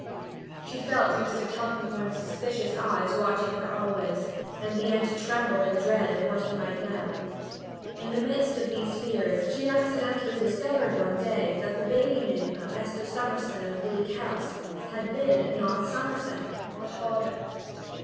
She felt Mr. Tulkinghorn's suspicious eyes watching her always and began to tremble in dread of what he might know. In the midst of these fears, she accidentally discovered one day that the baby name of Esther Summerson of Bleak House had been, not Summerson, but Hawdon.